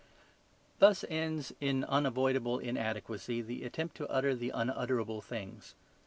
Thus ends, in unavoidable inadequacy, the attempt to utter the unutterable things.